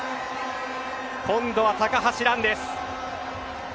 今度は高橋藍です。